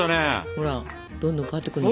ほらどんどん変わってくるの。